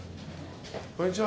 こんにちは。